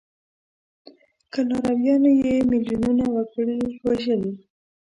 که لارویانو یې میلیونونه وګړي وژلي.